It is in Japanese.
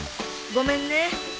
ごめんね。